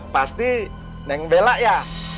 pasti neng bela ya